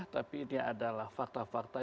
tapi ini adalah fakta fakta